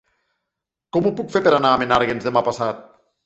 Com ho puc fer per anar a Menàrguens demà passat?